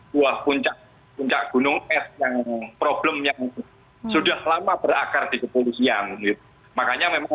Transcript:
buah puncak puncak gunung es yang problemnya sudah lama berakar di kepolisian makanya memang